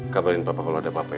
kabarin bapak kalau ada apa apa ya